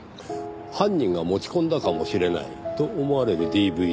犯人が持ち込んだかもしれないと思われるＤＶＤ。